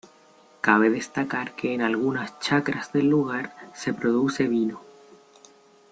Cabe destacar que en algunas chacras del lugar, se produce vino.